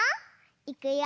いくよ！